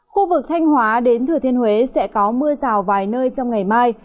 khu vực thanh hóa đến thừa thiên huế sẽ có mưa rào vài nơi trong ngày mai